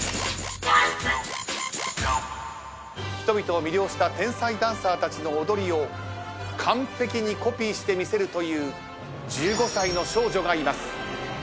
人々を魅了した天才ダンサーたちの踊りを完璧にコピーしてみせるという１５歳の少女がいます。